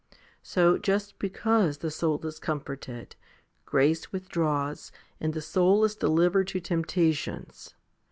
So, just because the soul is comforted, grace with draws, and the soul is delivered to temptations.